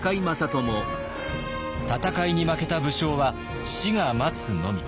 戦いに負けた武将は死が待つのみ。